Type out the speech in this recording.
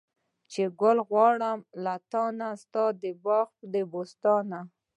چې ګل غواړم له تانه، ستا د باغه د بوستانه